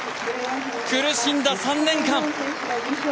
苦しんだ３年間。